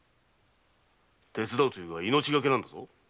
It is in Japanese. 手伝うというが命がけなんだぞ。